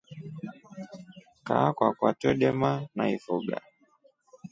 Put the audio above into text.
Kaa kwakwa twedema naifuga.